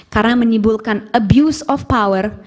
karena menimbulkan abuse of power